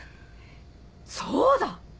そうだ！